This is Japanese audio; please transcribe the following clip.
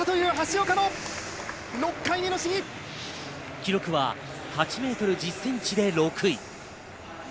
記録は８ｍ１０ｃｍで６位。